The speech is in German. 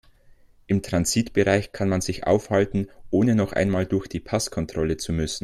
Im Transitbereich kann man sich aufhalten, ohne noch einmal durch die Passkontrolle zu müssen.